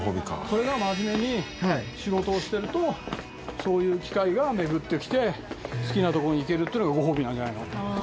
これが真面目に仕事をしてるとそういう機会が巡ってきて好きなとこに行けるっていうのがごほうびなんじゃないの。